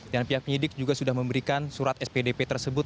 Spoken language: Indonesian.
dan pihak penyidik juga sudah memberikan surat spdp tersebut